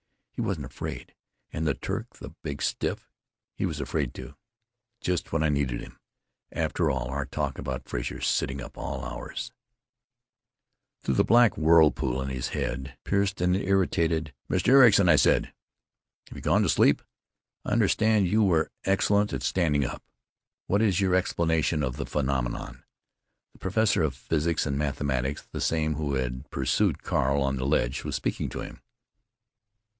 He wasn't afraid. And the Turk, the big stiff, he was afraid to.... Just when I needed him. After all our talk about Frazer, sitting up all hours——" Through the black whirlpool in his head pierced an irritated, "Mr. Ericson, I said! Have you gone to sleep? I understood you were excellent at standing up! What is your explanation of the phenomenon?" The professor of physics and mathematics—the same who had pursued Carl on the ledge—was speaking to him.